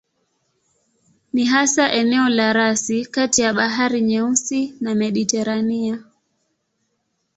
Ni hasa eneo la rasi kati ya Bahari Nyeusi na Mediteranea.